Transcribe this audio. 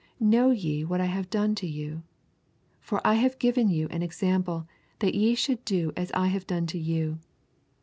'Know ye what I have done to you? For I have given you an example, that ye should do as I have done to you.